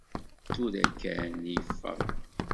Tura kkan i yeffeɣ.